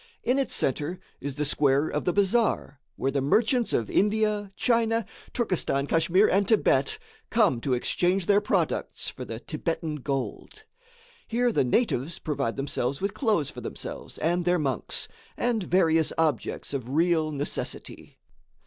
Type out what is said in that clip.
In its centre is the square of the bazaar, where the merchants of India, China, Turkestan, Kachmyr and Thibet, come to exchange their products for the Thibetan gold. Here the natives provide themselves with cloths for themselves and their monks, and various objects of real necessity.